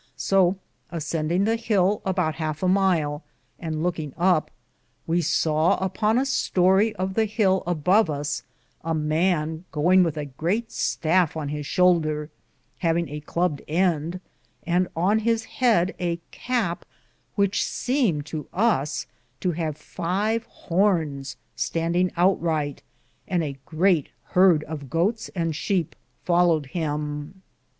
So, assendinge the hill aboute halfe a myle, and loukinge up, we sawe upon a storie of the hill above us a man goinge with a greate stafife on his shoulder, havinge a clubed end, and on his heade a cape which seemed to hus to have five horns standinge outryghte, and a greate heard of gootes and shepe folloed him.